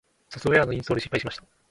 ソフトウェアのインストールに失敗しました。